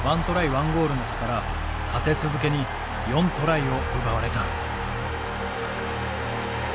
１ゴールの差から立て続けに４トライを奪われた。